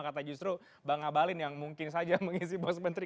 kata justru bang ngabalin yang mungkin saja mengisi bos menteri